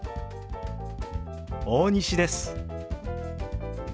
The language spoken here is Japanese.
大西です。